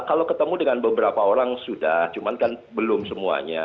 kalau ketemu dengan beberapa orang sudah cuman kan belum semuanya